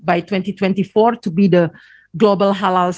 untuk mendapatkan kembali ke halal dua ribu dua puluh empat